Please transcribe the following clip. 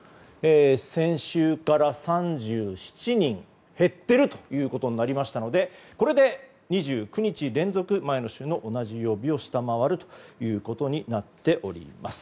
先週から３７人減っているということになりましたのでこれで、２９日連続前の週の同じ曜日を下回るということになっております。